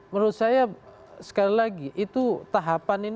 menurut saya sekali lagi itu tahapan ini